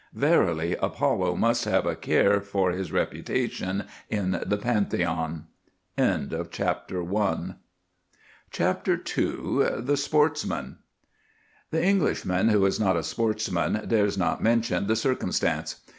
Verily Apollo must have a care for his reputation in the Pantheon. CHAPTER II THE SPORTSMAN The Englishman who is not a sportsman dares not mention the circumstance.